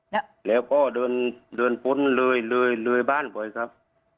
แล้วก็เดินปุ้นเลยเลยเลยบ้านไปครับ